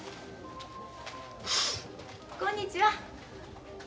こんにちは。